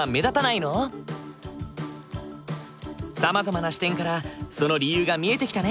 さまざまな視点からその理由が見えてきたね。